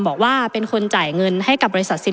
ประเทศอื่นซื้อในราคาประเทศอื่น